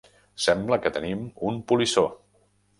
Sembla que tenim un polissó.